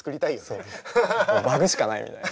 そうバグしかないみたいな。